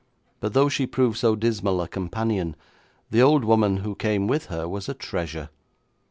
But though she proved so dismal a companion, the old woman who came with her was a treasure.